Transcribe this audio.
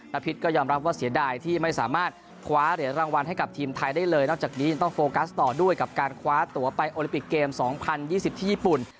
พิษก็ยอมรับว่าเสียดายที่ไม่สามารถคว้าเหรียญรางวัลให้กับทีมไทยได้เลยนอกจากนี้ยังต้องโฟกัสต่อด้วยกับการคว้าตัวไปโอลิปิกเกม๒๐๒๐ที่ญี่ปุ่น